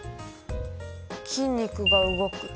筋肉が動く。